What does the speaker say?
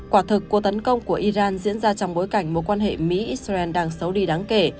quả thực cuộc tấn công của iran diễn ra trong bối cảnh mối quan hệ mỹ israel đang xấu đi đáng kể